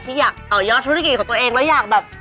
ที่อยากต่อยอดธุรกิจของตัวเองแล้วอยากแบบ